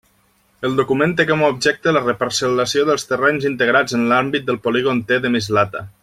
El document té com a objecte la reparcel·lació dels terrenys integrats en l'àmbit del polígon T de Mislata.